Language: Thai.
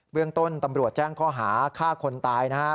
เรื่องต้นตำรวจแจ้งข้อหาฆ่าคนตายนะฮะ